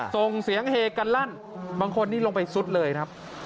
ส่งเสียงเฮกันลั่นบางคนนี่ลงไปซุดเลยครับ